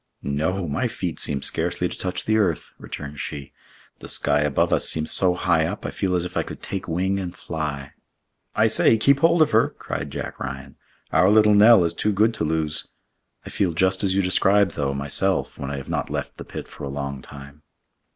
"No! my feet seem scarcely to touch the earth," returned she. "This sky above us seems so high up, I feel as if I could take wing and fly!" "I say! keep hold of her!" cried Jack Ryan. "Our little Nell is too good to lose. I feel just as you describe though, myself, when I have not left the pit for a long time."